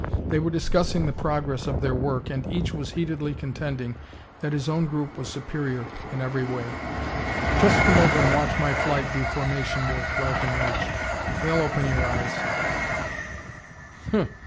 They were discussing the progress of their work and each was heatedly contending that his own group was superior in every way. "Just come over and watch my flight do formation work," Larkin urged. "They'll open your eyes."